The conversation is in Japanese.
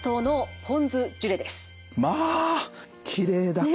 まあきれいだこと。